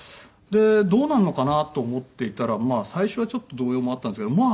でどうなるのかなと思っていたらまあ最初はちょっと動揺もあったんですけどま